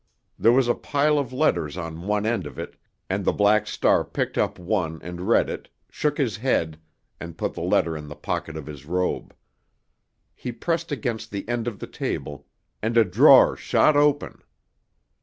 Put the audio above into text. There was a pile of letters on one end of it, and the Black Star picked up one and read it, shook his head, and put the letter in the pocket of his robe. He pressed against the end of the table, and a drawer shot open.